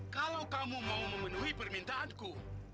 kalau kamu mau memenuhi permintaanku